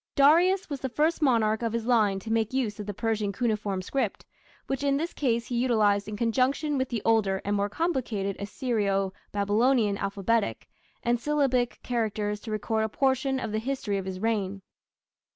Darius was the first monarch of his line to make use of the Persian cuneiform script, which in this case he utilized in conjunction with the older and more complicated Assyro Babylonian alphabetic and syllabic characters to record a portion of the history of his reign.